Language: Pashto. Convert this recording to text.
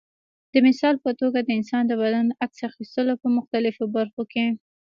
د مثال په توګه د انسان د بدن عکس اخیستلو په مختلفو برخو کې.